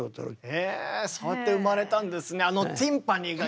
えぇそうやって生まれたんですね。